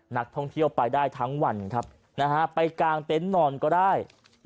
นักท่องเที่ยวไปได้ทั้งวันครับไปกางเต็นต์นอนก็ได้